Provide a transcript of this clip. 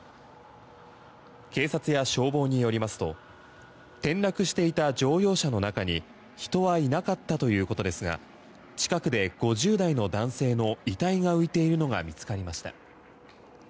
警察や消防によりますと転落していた乗用車の中に人はいなかったということですが近くで５０代の男性の遺体が浮いているのが見つかりました。